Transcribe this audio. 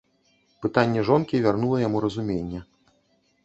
Пытанне жонкі вярнула яму разуменне.